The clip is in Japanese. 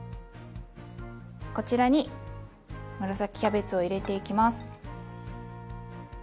こちらに紫キャベツを入れていきます。